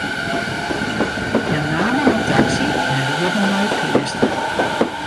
Hja namen in taksy en rieden nei it kleaster.